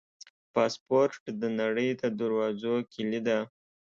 پاسپورټ د نړۍ د دروازو کلي ده.